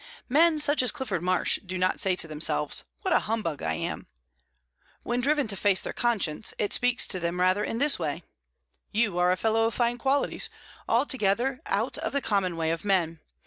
Men such as Clifford Marsh do not say to themselves, "What a humbug I am!" When driven to face their conscience, it speaks to them rather in this way: "You are a fellow of fine qualities, altogether out of the common way of men.